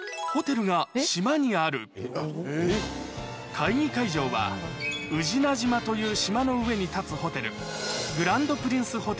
会議会場はという島の上に立つホテル